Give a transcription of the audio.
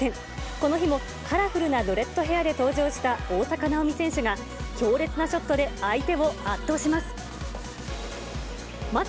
この日もカラフルなドレッドヘアで登場した大坂なおみ選手が、強烈なショットで相手を圧倒します。